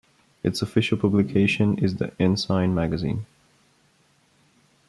Its official publication is "The Ensign" magazine.